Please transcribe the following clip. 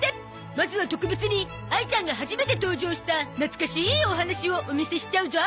まずは特別にあいちゃんが初めて登場した懐かしいお話をお見せしちゃうゾ！